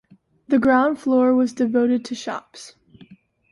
The ground floor was devoted to shops.